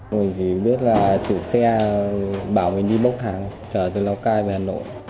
mình chỉ biết là chủ xe bảo mình đi bốc hàng chở từ lào cai về hà nội